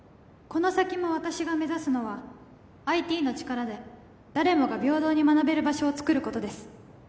この先も私が目指すのはＩＴの力で誰もが平等に学べる場所をつくることです